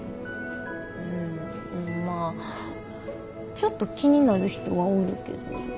んまあちょっと気になる人はおるけど。